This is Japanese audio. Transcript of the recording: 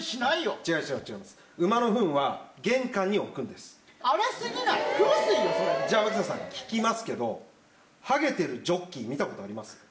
じゃあ脇田さん、聞きますけど、ハゲてるジョッキー、見たことあります？